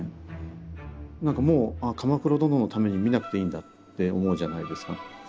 何かもう「鎌倉殿」のために見なくていいんだって思うじゃないですか。